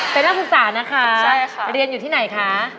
เป็นนักศึกษานะคะเรียนอยู่ที่ไหนคะ